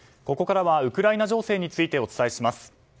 ここからはウクライナ情勢についてお伝えします。